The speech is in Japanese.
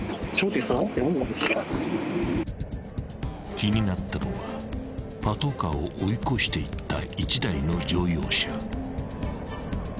［気になったのはパトカーを追い越していった１台の乗用車］